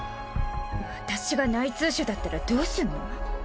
私が内通者だったらどうすんの？